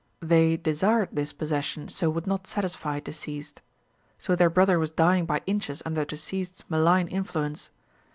They desired this possession, so would not satisfy deceased. So their brother was dying by inches under deceased's malign influence.